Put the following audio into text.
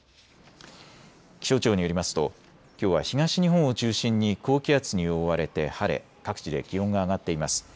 気象庁によりますときょうは東日本を中心に高気圧に覆われて晴れ各地で気温が上がっています。